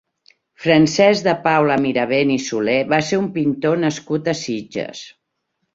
Francesc de Paula Mirabent i Soler va ser un pintor nascut a Sitges.